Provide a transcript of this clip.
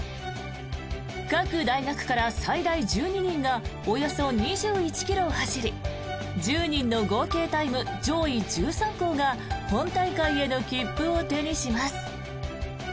各大学から最大１２人がおよそ２１ｋｍを走り１０人の合計タイム上位１３校が本大会への切符を手にします。